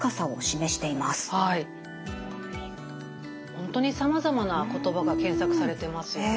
本当にさまざまな言葉が検索されてますよね。